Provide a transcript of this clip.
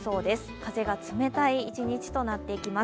風が冷たい一日となっていきます。